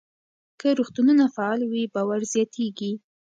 که روغتونونه فعال وي، باور زیاتېږي.